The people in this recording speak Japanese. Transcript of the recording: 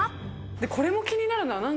これも気になるな。